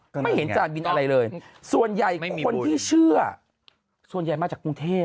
ไม่เห็นจานบินอะไรเลยส่วนใหญ่คนที่เชื่อส่วนใหญ่มาจากกรุงเทพ